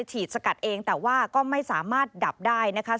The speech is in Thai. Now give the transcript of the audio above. สกัดเองแต่ว่าก็ไม่สามารถดับได้นะคะ